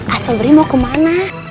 assobri mau kemana